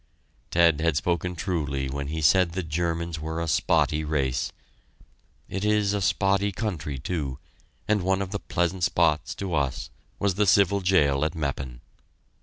Ted had spoken truly when he said the Germans were a "spotty race." It is a spotty country, too, and one of the pleasant spots to us was the civil jail at Meppen.